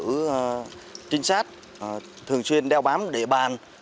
ngoài ra đội cũng tiếp tục cử trinh sát thường xuyên đeo bám địa bàn